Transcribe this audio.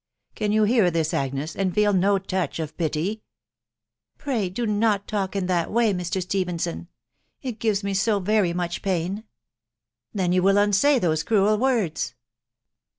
Can you hear this, Agnes, and feel no touch of pity ?"" Pray do not talk in that way, Mr. Stephenson !.... It gives me so very much pain." " Then you will unsay those cruel words